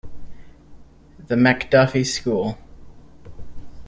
The MacDuffie School.